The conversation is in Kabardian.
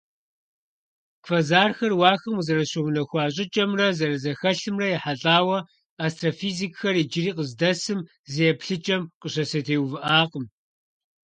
Квазархэр уахэм къызэрыщыунэхуа щIыкIэмрэ зэрызэхэлъымрэ ехьэлIауэ астрофизикхэр иджыри къыздэсым зы еплъыкIэм къыщызэтеувыIакъым.